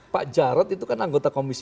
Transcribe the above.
pak jarud itu kan anggota komisi empat